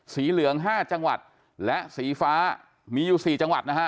เหลือง๕จังหวัดและสีฟ้ามีอยู่๔จังหวัดนะฮะ